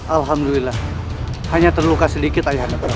alhamdulillah hanya terluka sedikit ayahnya prabu